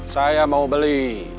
saya mau beli